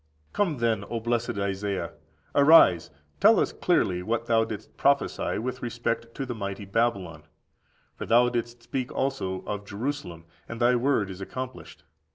30. Come, then, O blessed Isaiah; arise, tell us clearly what thou didst prophesy with respect to the mighty Babylon. For thou didst speak also of Jerusalem, and thy word is accomplished.